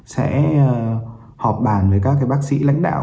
sẽ họp bàn với các bác sĩ lãnh đạo